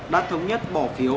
đã thống nhất bỏ phiếu